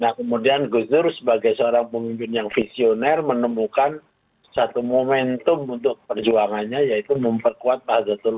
dan kemudian gus dur sebagai seorang pemimpin yang visioner menemukan satu momentum untuk perjuangannya yaitu memperkuat azadul ulama dan melalui azadul ulama dan melalui azadul ulama